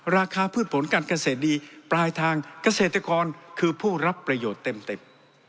พืชผลการเกษตรดีปลายทางเกษตรกรคือผู้รับประโยชน์เต็ม